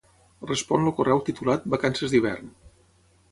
Respon el correu titulat "vacances d'hivern".